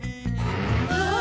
ああ。